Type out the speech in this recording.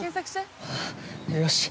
◆よし！